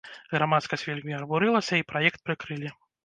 Грамадскасць вельмі абурылася, і праект прыкрылі.